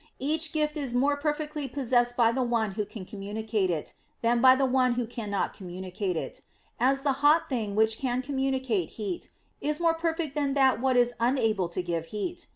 Each gift is more perfectly possessed by the one who can communicate it, than by the one who cannot communicate it; as the hot thing which can communicate heat is more perfect that what is unable to give heat.